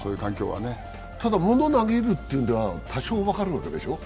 ただ物を投げるのでは多少分かるわけでしょう？